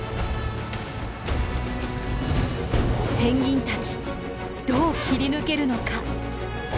ペンギンたちどう切り抜けるのか？